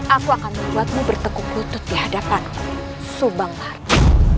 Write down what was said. aku akan membuatmu bertekuk putut di hadapanku subang baru